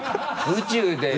宇宙で。